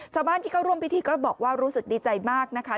ชาวบ้านที่เข้าร่วมพิธีก็บอกว่ารู้สึกดีใจมากนะคะ